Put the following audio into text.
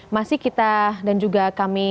masih kita dan juga kami